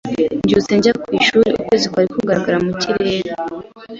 Mbyutse njya ku ishuri, ukwezi kwari kugaragara mu kirere.